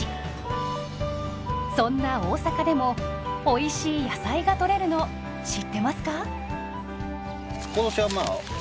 そんな大阪でもおいしい野菜がとれるの知ってますか？